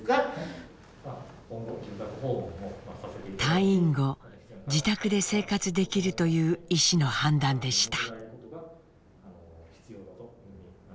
退院後自宅で生活できるという医師の判断でした。